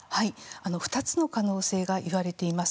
２つの可能性がいわれています。